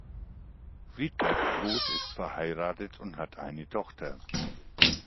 Friedbert Groß ist verheiratet und hat eine Tochter.